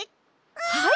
はい！